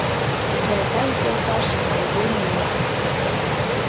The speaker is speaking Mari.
Ялпаев йолташ, айдеме улына.